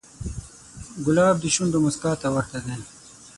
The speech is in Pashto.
ګلاب د شونډو موسکا ته ورته دی.